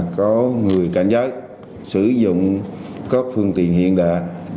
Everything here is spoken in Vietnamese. có người cảnh giác sử dụng các phương tiện hiện đại